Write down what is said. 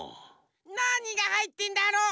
なにがはいってんだろ。